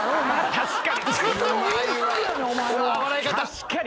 確かに。